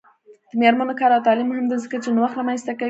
د میرمنو کار او تعلیم مهم دی ځکه چې نوښت رامنځته کوي.